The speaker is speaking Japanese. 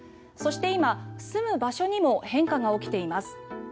そして今、住む場所にも変化が起きています。